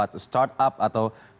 atau startup yang terkenal di indonesia